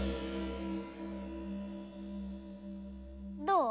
どう？